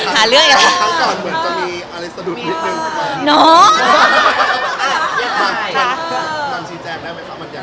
หาเรื่องอยู่แล้ว